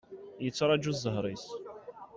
Yettraju zzher-is.